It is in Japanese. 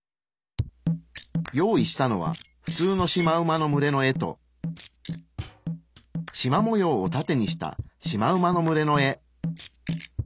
用意したのは普通のシマウマの群れの絵としま模様をタテにしたシマウマの群れの絵。